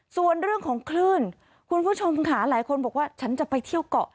ส่วนเรื่องของคลื่นคุณผู้ชมค่ะหลายคนบอกว่าฉันจะไปเที่ยวเกาะ